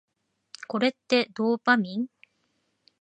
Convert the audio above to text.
これってドーパミン？